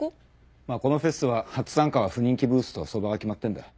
まあこのフェスは初参加は不人気ブースと相場は決まってんだよ。